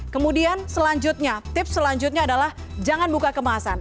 kemudian selanjutnya tips selanjutnya adalah jangan buka kemasan